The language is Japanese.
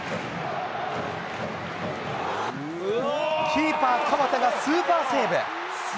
キーパー、河田がスーパーセーブ。